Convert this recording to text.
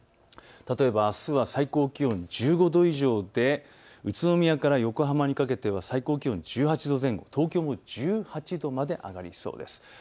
例えばあすは最高気温１５度以上で宇都宮から横浜にかけては最高気温１８度前後東京も１８度まで上がりそうです。